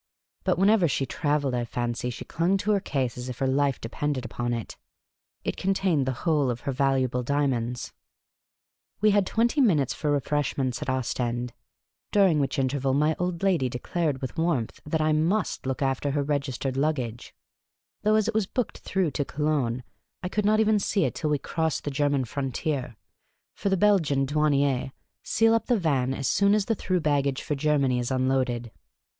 But whenever she travelled, I fancy, she clung to her case as if her life depended upon it ; it con tained the whole of her valuable diamonds. We had twenty minutes for refreshments at Ostend, during 24 Miss Cay ley's Adventures which interval my old lady declared with warmth that I must look after her registered luggage ; though, as it was booked through to Cologne, I could not even see it till we crossed the German frontier ; for the Belgian douanicrs seal up the van as soon as the through baggage for Germany is unloaded.